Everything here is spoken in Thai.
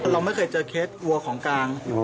เราไม่เคยเจอเคสวัวของกลางอยู่